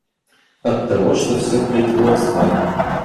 Оттого что всё притворство!